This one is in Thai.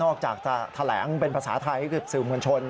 ออกจากจะแถลงเป็นภาษาไทยก็คือสื่อมวลชน